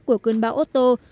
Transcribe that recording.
của cơn bão otto